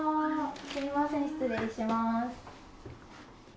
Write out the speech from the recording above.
すみません、失礼します。